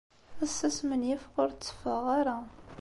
Ass-a, smenyafeɣ ur tteffɣeɣ ara.